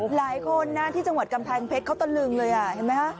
หลายคนนะที่จังหวัดกำแพงเพชรเขาตะลึงเลยอ่ะเห็นไหมฮะ